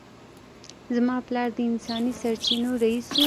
زما پلار د انساني سرچینو رییس و